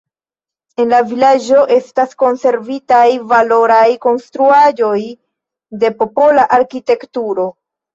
En la vilaĝo estas konservitaj valoraj konstruaĵoj de popola arkitekturo.